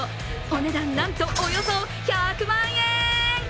お値段なんとおよそ１００万円！